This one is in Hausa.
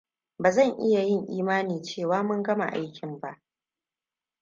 Ba zan iya yin imani cewa mun gama aikin ba.